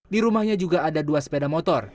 di rumahnya juga ada dua sepeda motor